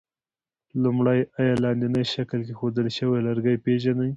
لومړی: آیا لاندیني شکل کې ښودل شوي لرګي پېژنئ؟